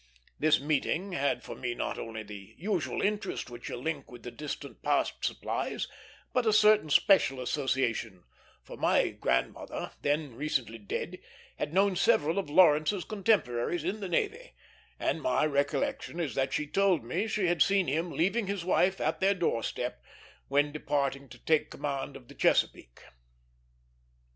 This meeting had for me not only the usual interest which a link with the distant past supplies, but a certain special association; for my grandmother, then recently dead, had known several of Lawrence's contemporaries in the navy, and my recollection is that she told me she had seen him leaving his wife at their doorstep, when departing to take command of the Chesapeake.